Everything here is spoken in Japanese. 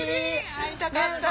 会いたかった。